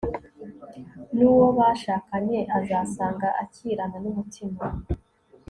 n'uwo bashakanye azasanga akirana n'umutima